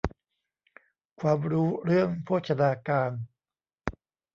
ความรู้เรื่องโภชนาการ